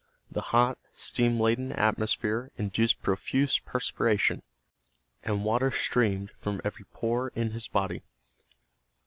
The hot, steam laden atmosphere induced profuse perspiration, and water streamed from every pore in his body.